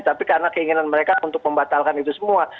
tapi karena keinginan mereka untuk membatalkan itu semua